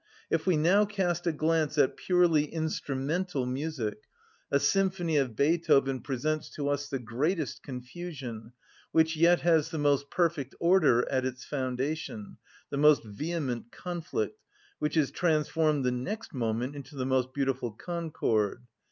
If we now cast a glance at purely instrumental music, a symphony of Beethoven presents to us the greatest confusion, which yet has the most perfect order at its foundation, the most vehement conflict, which is transformed the next moment into the most beautiful concord.